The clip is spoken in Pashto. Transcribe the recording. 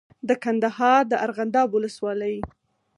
د کندهار د ارغنداب ولسوالۍ